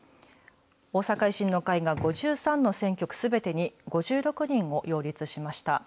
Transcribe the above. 大阪維新の会が５３の選挙区すべてに５６人を擁立しました。